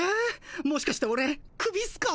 もしかしてオレクビっすか？